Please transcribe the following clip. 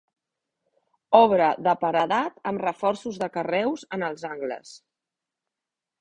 Obra de paredat amb reforços de carreus en els angles.